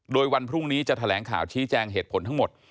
โดยวันพรุ่งนี้จะแถลงข่าวชี้แจงเหตุผลทั้งหมด